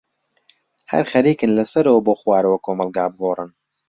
هەر خەرێکن لەسەرەوە بۆ خوارە کۆمەلگا بگۆرن.